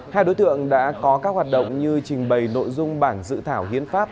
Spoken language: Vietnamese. hai đối tượng đã có các hoạt động như trình bày nội dung bản dự thảo hiến pháp